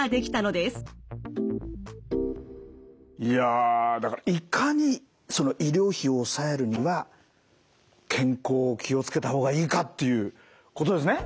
いやだからいかにその医療費を抑えるには健康を気を付けた方がいいかっていうことですね。